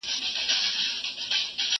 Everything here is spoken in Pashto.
يا دي ښايي بله سترگه در ړنده كړي